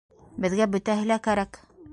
Беҙгә бөтәһе лә кәрәк.